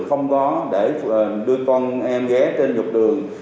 không có để đưa con em ghé trên trục đường